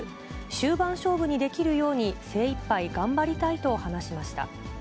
終盤勝負にできるように精いっぱい頑張りたいと話しました。